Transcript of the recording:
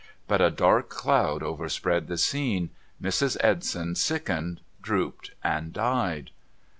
But a dark cloud overspread the scene, Mrs. Edson sickened, drooped, and died.'